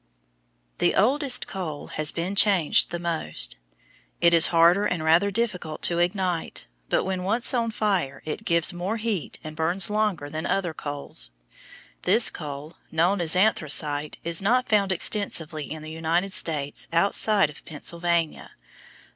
The oldest coal has been changed the most. It is hard and rather difficult to ignite, but when once on fire it gives more heat and burns longer than other coals. This coal, known as anthracite, is not found extensively in the United States outside of Pennsylvania.